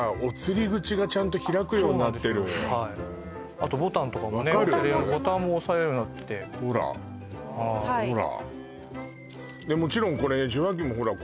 あとボタンとかもねボタンも押せるようになっててほらほら